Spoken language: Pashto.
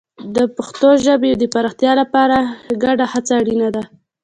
د پښتو ژبې د پراختیا لپاره ګډه هڅه اړینه ده.